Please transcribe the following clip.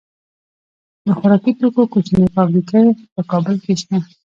د خوراکي توکو کوچنۍ فابریکې په کابل کې شته.